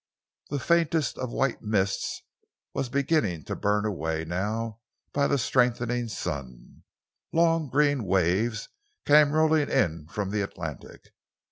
The faintest of white mists was being burnt away now by the strengthening sun. Long, green waves came rolling in from the Atlantic.